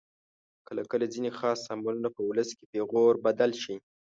کله کله ځینې خاص عملونه په ولس کې پیغور بدل شي.